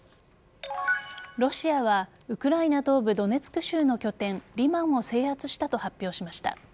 ロシアはウクライナ東部ドネツク州の拠点リマンを制圧したと発表しました。